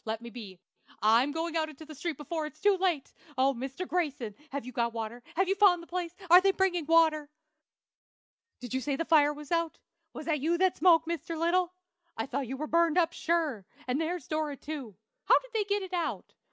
Let me be! I'm going out in the street before it's too late! Oh, Mr. Grayson! have you got water? have you found the place? are they bringing water? "Did you say the fire was out? Was that you that spoke, Mr. Little? I thought you were burned up, sure; and there's Dora, too. How did they get it out?